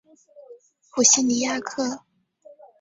普西尼亚克。